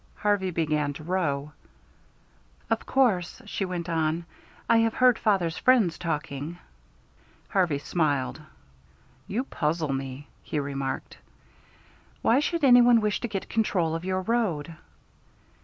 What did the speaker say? Harvey began to row. "Of course," she went on, "I have heard father's friends talking." Harvey smiled. "You puzzle me," he remarked. "Why should any one wish to get control of your road?"